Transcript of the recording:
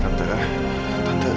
tante mudah tante